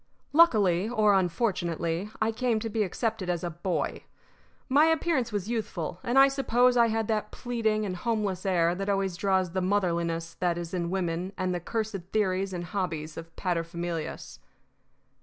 Luckily or unfortunately, I came to be accepted as a Boy. My appearance was youthful, and I suppose I had that pleading and homeless air that always draws the motherliness that is in women and the cursed theories and hobbies of paterfamilias.